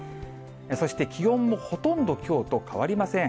そして気温もほとんどきょうと変わりません。